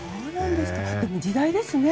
でも時代ですね。